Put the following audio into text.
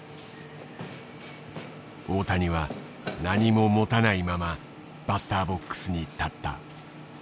大谷は何も持たないままバッターボックスに立った。